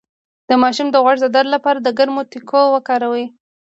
د ماشوم د غوږ د درد لپاره د ګرمو تکو وکاروئ